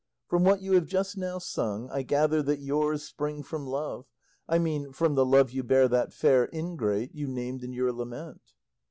From what you have just now sung I gather that yours spring from love, I mean from the love you bear that fair ingrate you named in your lament."